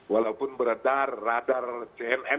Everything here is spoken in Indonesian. walaupun beredar radar cnn saya kira ya wartawan cnn lebih tajam